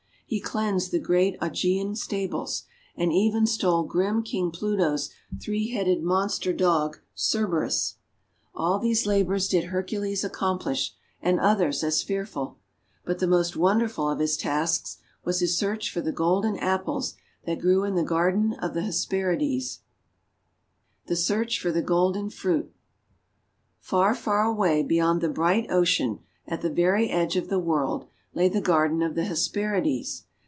He cleansed the great Augean stables, and even stole grim King Pluto's three headed monster Dog, Cerberus. All these labours did Hercules accomplish, and others as fearful. But the most wonderful of his tasks was his search for the Golden Apples that grew in the Garden of the Hes perides. APPLES OF THE HESPERIDES 207 THE SEARCH FOR THE GOLDEN FRUIT FAR, far away, beyond the bright ocean, at the very edge of the world, lay the Garden of the Hesperides.